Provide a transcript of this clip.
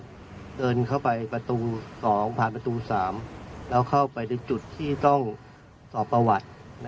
เดินเข้าไปประตู๒ผ่านประตู๓แล้วเข้าไปในจุดที่ต้องสอบประวัติ